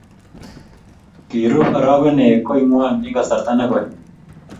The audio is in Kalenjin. kirub arokenee koing'wang eng kasarta ne koi .